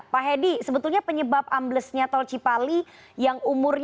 pak hedi sebetulnya penyebab amblesnya tol cipali yang umurnya